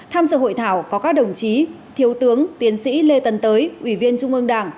tham dự hội thảo có các đồng chí thiếu tướng tiến sĩ lê tấn tới ủy viên trung ương đảng